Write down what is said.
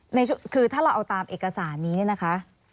นี่คือถ้าเราเอาตามเอกสารนี้เนี่ยนะคะ